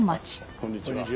こんにちは。